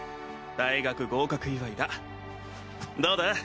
大学合格祝だどうだ？